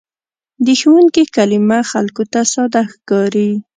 د ښوونکي کلمه خلکو ته ساده ښکاري.